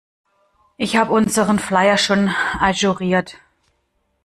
Ich hab unseren Flyer schon ajouriert.